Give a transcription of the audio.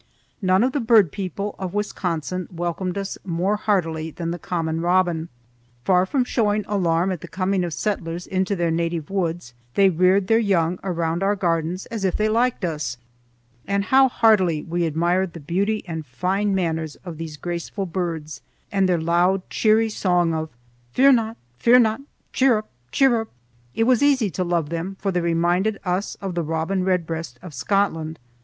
None of the bird people of Wisconsin welcomed us more heartily than the common robin. Far from showing alarm at the coming of settlers into their native woods, they reared their young around our gardens as if they liked us, and how heartily we admired the beauty and fine manners of these graceful birds and their loud cheery song of Fear not, fear not, cheer up, cheer up. It was easy to love them for they reminded us of the robin redbreast of Scotland.